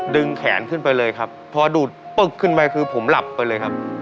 แขนขึ้นไปเลยครับพอดูดปึ๊กขึ้นไปคือผมหลับไปเลยครับ